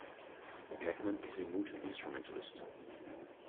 Jackman is a multi-instrumentalist.